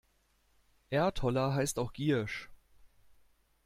Erdholler heißt auch Giersch.